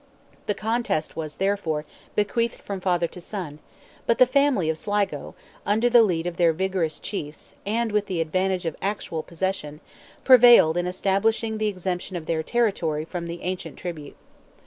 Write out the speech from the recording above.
The contest was, therefore, bequeathed from father to son, but the family of Sligo, under the lead of their vigorous chiefs, and with the advantage of actual possession, prevailed in establishing the exemption of their territory from the ancient tribute.